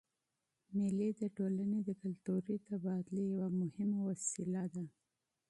مېلې د ټولني د فرهنګي تبادلې یوه مهمه وسیله ده.